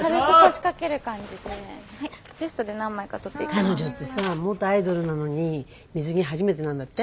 彼女ってさ元アイドルなのに水着初めてなんだって？